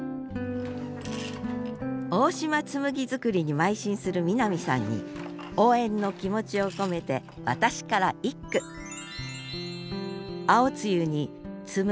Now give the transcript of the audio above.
大島紬づくりにまい進する南さんに応援の気持ちを込めて私から１句え？